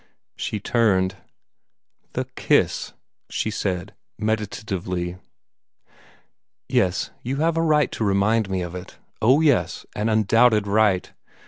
She turned. "The kiss," she said meditatively. "Yes, you have a right to remind me of it. Oh, yes, an undoubted right.